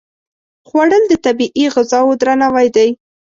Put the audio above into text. خوړل د طبیعي غذاو درناوی دی